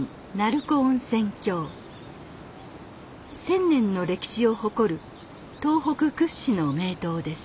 １，０００年の歴史を誇る東北屈指の名湯です。